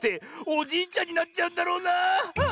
おじいちゃんになっちゃうんだろうなあ。